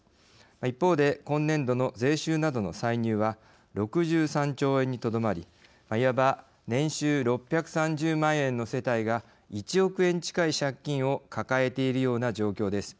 一方で今年度の税収などの歳入は６３兆円にとどまりいわば年収６３０万円の世帯が１億円近い借金を抱えているような状況です。